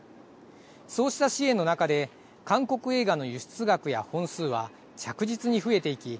そうした支援の中で韓国映画の輸出額や本数は着実に増えていき